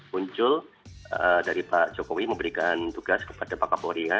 muncul dari pak jokowi memberikan tugas kepada pak kapolri ya